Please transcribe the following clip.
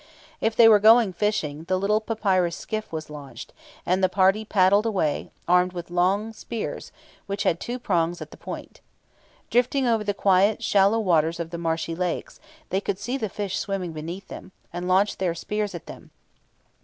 If they were going fishing, the little papyrus skiff was launched, and the party paddled away, armed with long thin spears, which had two prongs at the point. Drifting over the quiet shallow waters of the marshy lakes, they could see the fish swimming beneath them, and launch their spears at them.